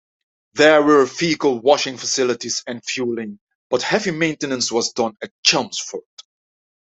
There were vehicle washing facilities and fuelling but heavy maintenance was done at Chelmsford.